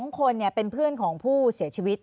๒คนเป็นเพื่อนของผู้เสียชีวิต